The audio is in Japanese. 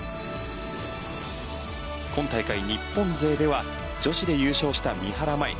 今大会、日本勢では女子で優勝した三原舞依